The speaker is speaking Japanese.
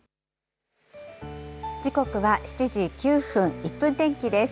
時刻は７時９分、１分天気です。